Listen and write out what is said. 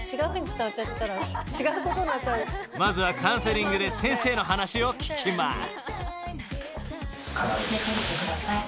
［まずはカウンセリングで先生の話を聞きます］